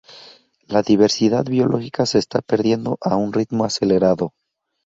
La diversidad biológica se está perdiendo a un ritmo acelerado.